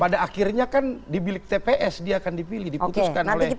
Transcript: pada akhirnya kan di bilik tps dia akan dipilih diputuskan oleh suara rakyat gitu